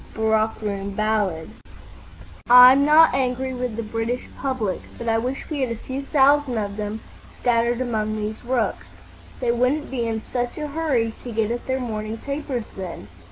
—Barrack Room Ballad. "I'm not angry with the British public, but I wish we had a few thousand of them scattered among these rooks. They wouldn't be in such a hurry to get at their morning papers then.